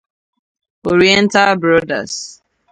Orienta Brọdas